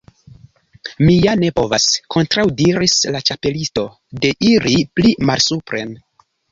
"Mi ja ne povas," kontraŭdiris la Ĉapelisto, "deiri pli malsupren.